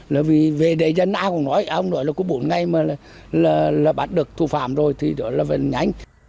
là vì về đề dân ai cũng nói ông nói là có bốn ngày mà bắt được thủ phạm rồi thì đó là vẫn nhanh